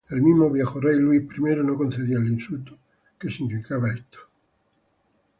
El mismo viejo rey Luis I no concebía el insulto que significaba esto.